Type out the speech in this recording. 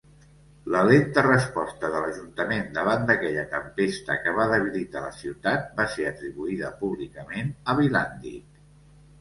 La lenta resposta de l'ajuntament davant d'aquella tempesta que va debilitar la ciutat va ser atribuïda públicament a Bilandic.